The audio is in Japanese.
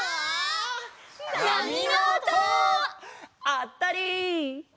あったり！